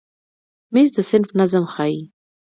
مېز د صنف نظم ښیي.